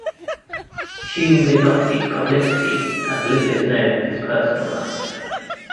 Hume did not seek publicity and little is known of his personal life.